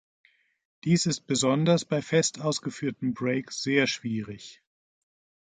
Dies ist besonders bei fest ausgeführtem Break sehr schwierig.